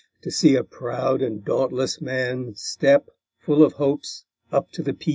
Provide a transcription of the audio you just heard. to see a proud And dauntless man step, full of hopes, Up to the P.C.